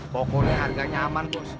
pokoknya harganya aman bos